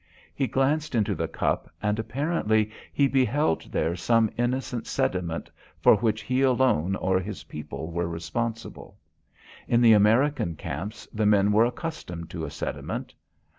He glanced into the cup and apparently he beheld there some innocent sediment for which he alone or his people were responsible. In the American camps the men were accustomed to a sediment.